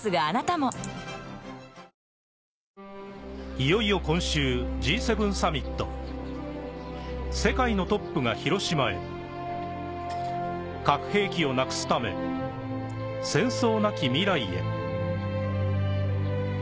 いよいよ今週Ｇ７サミット世界のトップがヒロシマへ核兵器をなくすため戦争